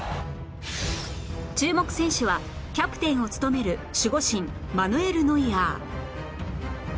注目選手はキャプテンを務める守護神マヌエル・ノイアー